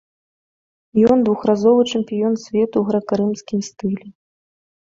Ён двухразовы чэмпіён свету ў грэка-рымскім стылі.